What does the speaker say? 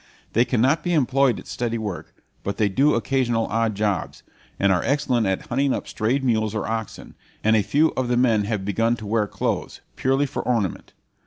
They cannot be employed at steady work; but they do occasional odd jobs, and are excellent at hunting up strayed mules or oxen; and a few of the men have begun to wear clothes, purely for ornament.